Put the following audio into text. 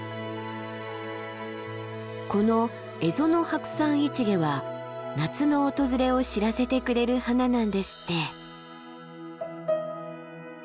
このエゾノハクサンイチゲは夏の訪れを知らせてくれる花なんですって。